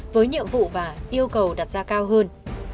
với nhiệm vụ và yêu cầu đặt ra cao hơn